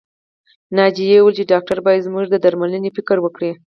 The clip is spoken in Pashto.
ناجيې وويل چې ډاکټر بايد زموږ د درملنې فکر وکړي